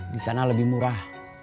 di sana lebih murah